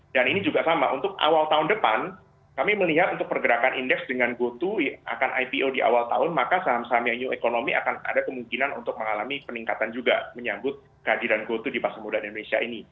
dan ini juga sama untuk awal tahun depan kami melihat untuk pergerakan indeks dengan gotu akan ipo di awal tahun maka saham saham yang new economy akan ada kemungkinan untuk mengalami peningkatan juga menyambut kehadiran gotu di masa muda di indonesia ini